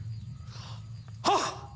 はっ！